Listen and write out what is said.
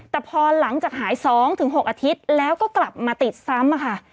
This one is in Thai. แต่พอหลังจากหาย๒๖อาทิตย์แล้วก็กลับมาติดซ้ำค่ะ